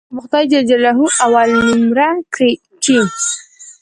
ما به خداى جل جلاله اول نؤمره کي.